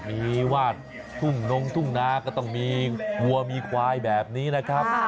มีวาดทุ่งนงทุ่งนาก็ต้องมีวัวมีควายแบบนี้นะครับ